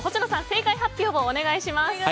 正解発表をお願いします。